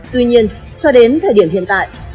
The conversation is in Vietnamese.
tuy nhiên cho đến thời điểm hiện tại